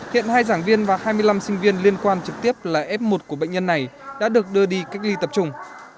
hiện hai giảng viên và hai mươi năm sinh viên liên quan trực tiếp là f một của bệnh nhân này đã được đưa đi cách ly tập trung